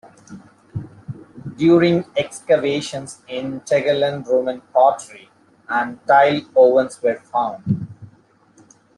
During excavations in Tegelen Roman pottery and tile ovens were found.